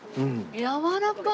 やわらかい！